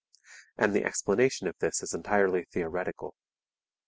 And the explanation of this is entirely theoretical.